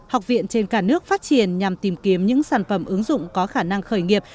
học viện trên cả nước phát triển nhằm tìm kiếm những sản phẩm ứng dụng có khả năng khởi nghiệp